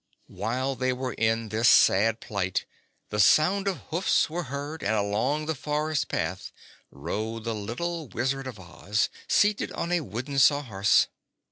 While they were in this sad plight the sound of hoofs was heard and along the forest path rode the little Wizard of Oz, seated on a wooden Sawhorse.